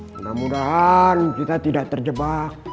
mudah mudahan kita tidak terjebak